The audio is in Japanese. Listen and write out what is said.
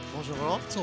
そう。